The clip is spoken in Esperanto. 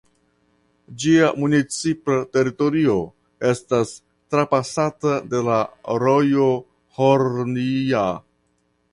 Ĝia municipa teritorio estas trapasata de la rojo Hornija.